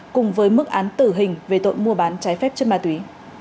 cùng với mức án tử hình về tội mua bán trái phép chất ma túy